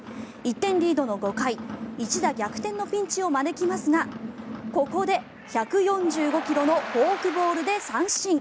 １点リードの５回一打逆転のピンチを招きますがここで１４５ｋｍのフォークボールで三振。